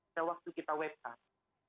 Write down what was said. sejak waktu kita webcast